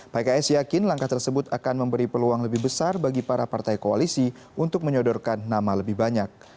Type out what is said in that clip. pks yakin langkah tersebut akan memberi peluang lebih besar bagi para partai koalisi untuk menyodorkan nama lebih banyak